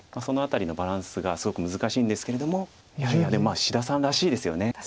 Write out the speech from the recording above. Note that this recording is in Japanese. その辺りのバランスがすごく難しいんですけれどもいやいや志田さんらしいですよね。